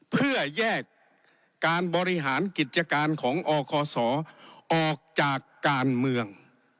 เพื่อแยกการบริหารกิจการของอคศออกจากการเมือง